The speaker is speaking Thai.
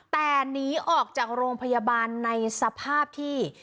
แต่หนีออกจากโรงพยาบาลในสภาพที่